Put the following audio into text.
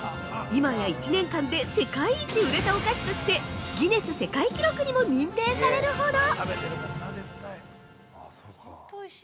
今や１年間で世界一売れたお菓子としてギネス世界記録にも認定されるほど。